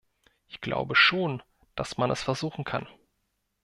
Ich glaube schon, dass man es versuchen kann.